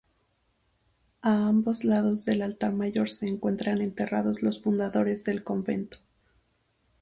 A ambos lados del altar Mayor se encuentran enterrados los fundadores del convento.